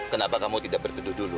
kenapa kamu tidak bertuduh dulu